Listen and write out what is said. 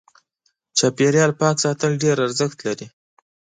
چاپېريال پاک ساتل ډېر ارزښت لري.